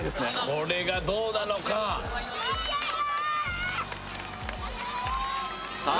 これがどうなのかさあ